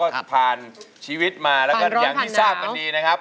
ก็ผ่านชีวิตมาแล้วก็อย่างที่ทราบกันดีนะครับผ่านร้องผ่านหนาว